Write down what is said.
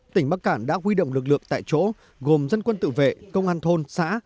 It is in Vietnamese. tỉnh bắc cản đã huy động lực lượng tại chỗ gồm dân quân tự vệ công an thôn xã